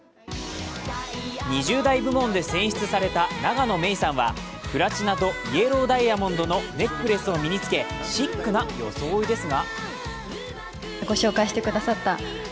２０代部門で選出された永野芽郁さんはプラチナとイエローダイヤモンドのネックレスを身に着けシックな装いですが？